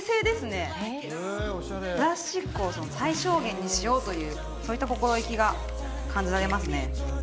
プラスチックを最小限にしようというそういった心意気が感じられますね